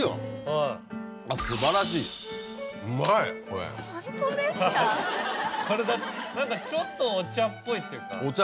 これだって何かちょっとお茶っぽいっていうか。